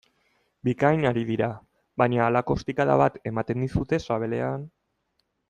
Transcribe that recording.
Bikain ari dira, baina halako ostikada bat ematen dizute sabelean...